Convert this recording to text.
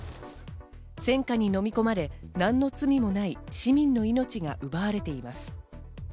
戦火に飲み込まれ、何の罪もない市民の命が奪われています。